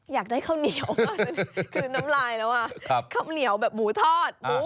หมูทอด